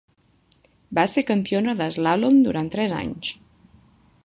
Va ser campiona d'eslàlom durant tres anys.